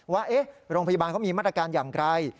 ว่าโรงพยาบาลเขามีมาตรการอย่างไร